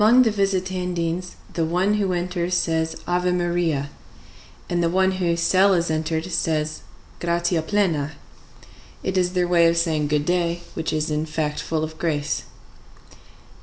Among the Visitandines the one who enters says: "Ave Maria," and the one whose cell is entered says, "Gratia plena." It is their way of saying good day, which is in fact full of grace.